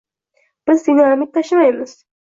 Biz dinamit tashimaymiz